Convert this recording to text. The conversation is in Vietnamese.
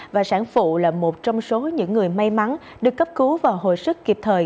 và sản phụ là một trong số những người may mắn được cấp cứu và hồi sức kịp thời